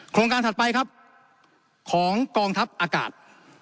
โครงการถัดไปครับของกองทัพอากาศ